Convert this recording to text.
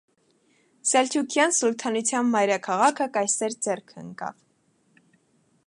Սելճուքեան սուլթանութեան մայրաքաղաքը կայսեր ձեռքը ինկաւ։